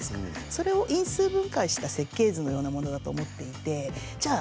それを因数分解した設計図のようなものだと思っていてじゃあ